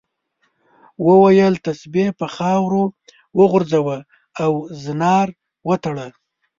وویل تسبیح په خاورو وغورځوه او زنار وتړه.